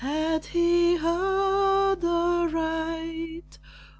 Had he heard aright?